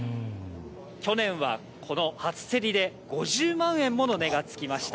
去年はこの初競りで５０万円もの値がつきました。